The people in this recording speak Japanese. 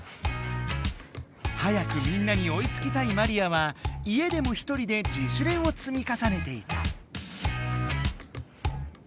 早くみんなにおいつきたいマリアは家でもひとりで自主練を積み重ねていた！